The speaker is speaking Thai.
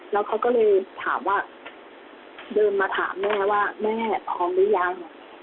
แล้วเขาก็เลยถามว่าเดินมาถามแม่ว่าแม่พร้อมหรือยัง